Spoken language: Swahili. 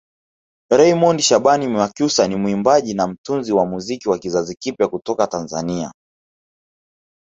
Raymond Shaban Mwakyusa ni mwimbaji na mtunzi wa muziki wa kizazi kipya kutoka Tanzania